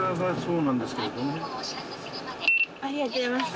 ありがとうございます。